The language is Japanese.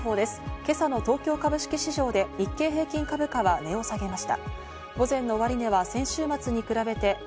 今朝の東京株式市場で日経平均株価は値を下げました。